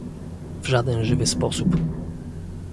"W żaden żywy sposób!"